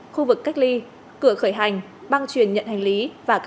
khu vực cách ly